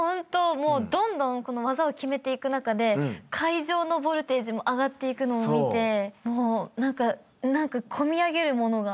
どんどん技を決めていく中で会場のボルテージも上がっていくのを見てもう何かこみ上げるものが。